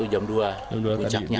jam dua tadi dini hari ya